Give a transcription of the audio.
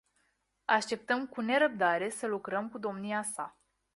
Așteptăm cu nerăbdare să lucrăm cu domnia sa.